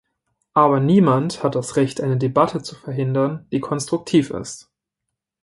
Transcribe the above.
Aber niemand hat das Recht, eine Debatte zu verhindern, die konstruktiv ist.